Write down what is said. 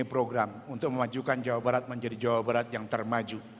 program untuk memajukan jawa barat menjadi jawa barat yang termaju